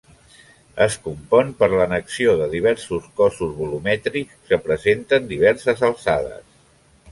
Es compon per l'annexió de diversos cossos volumètrics que presenten diverses alçades.